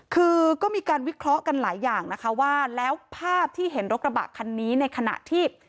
คือก็มีการวิเคราะห์กันหลายอย่างนะคะว่าแล้วภาพที่เห็นรถกระบะคันนี้ในขณะที่